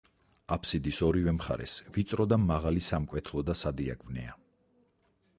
აფსიდის ორივე მხარეს ვიწრო და მაღალი სამკვეთლო და სადიაკვნეა.